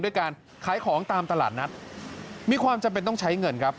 ด้วยการขายของตามตลาดนัดมีความจำเป็นต้องใช้เงินครับ